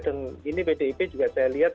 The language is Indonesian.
dan ini bdip juga saya lihat